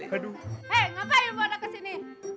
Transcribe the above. hei ngapain lu bawa dia kesini